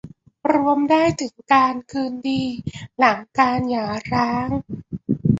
รวมได้ถึงการคืนดีหลังการหย่าร้าง